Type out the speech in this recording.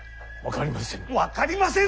分かりませぬ。